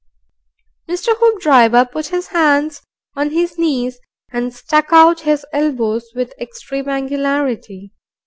Mr. Hoopdriver put his hands on his knees and stuck out his elbows with extreme angularity.